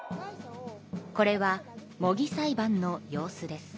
これは模擬裁判の様子です。